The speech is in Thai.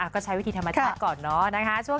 ก็ใช้วิธีธรรมชาติก่อนเนาะนะคะ